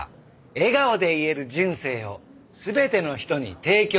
「笑顔で言える人生を全ての人に提供したい」